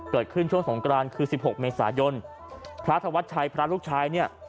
เกิดขึ้นช่วงสงครานคือ๑๖เมษายนพระธวัตชัยพระลูกชาย